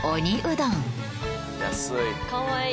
安い。